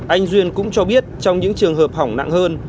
anh duyên cũng cho biết trong những trường hợp hỏng nặng hơn